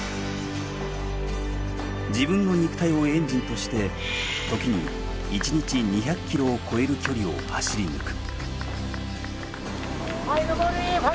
自分の肉体をエンジンとして時に１日２００ｋｍを超える距離を走り抜く。